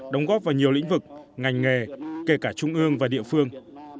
đóng góp vào nhiều lĩnh vực ngành nghề kể cả trung ương và địa phương